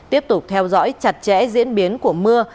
tiếp tục theo dõi chặt chẽ diễn biến của mưa